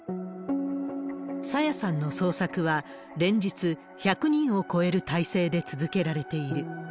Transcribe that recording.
朝芽さんの捜索は、連日、１００人を超える態勢で続けられている。